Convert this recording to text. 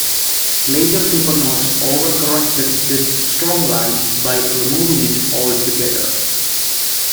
Later supernotes over-corrected this strong line by removing it altogether.